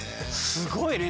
すごいね。